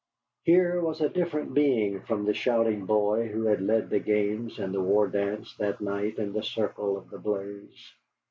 Here was a different being from the shouting boy who had led the games and the war dance that night in the circle of the blaze.